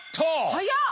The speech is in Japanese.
早っ。